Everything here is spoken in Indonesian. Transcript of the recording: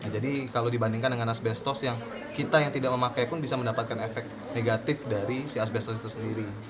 jadi kalau dibandingkan dengan asbestos yang kita yang tidak memakai pun bisa mendapatkan efek negatif dari si asbestos itu sendiri